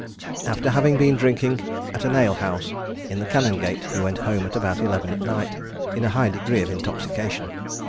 After having been drinking at an alehouse in the Canongate, he went home at about eleven at night, in a high degree of intoxication.